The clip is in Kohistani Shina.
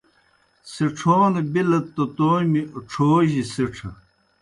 سِڇھون بِلَت توْ تومی ڇھو جیْ سِڇھہ